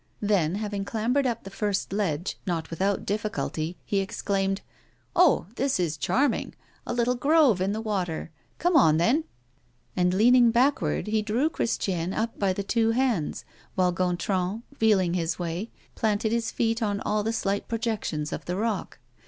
Then, having clambered up the first ledge, not without difficulty, he exclaimed: "Oh! this is charming! a little grove in the water come on, then!" And, leaning backward, he drew Christiane up by the two hands, while Gontran, feeling his way, planted his feet on all the slight projections of the rock.